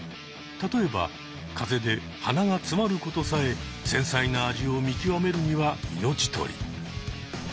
例えば風邪で鼻がつまることさえ繊細な味を見極めるには命とり。